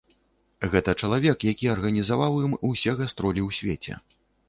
Гэта чалавек, які арганізаваў ім усе гастролі ў свеце.